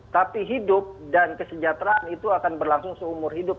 tapi hidup dan kesejahteraan itu akan berlangsung seumur hidup